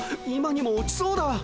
今にも落ちそうだ。